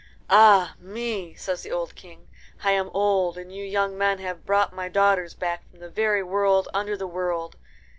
"Ah me!" says the old King, "I am old, and you young men have brought my daughters back from the very world under the world.